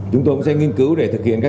chúng tôi cũng sẽ nghiên cứu để thực hiện